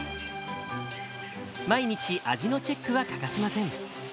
毎日、味のチェックは欠かしません。